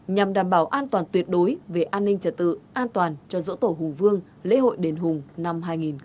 nhằm đảm bảo an toàn tuyệt đối về an ninh trật tự an toàn cho dỗ tổ hùng vương lễ hội đền hùng năm hai nghìn hai mươi bốn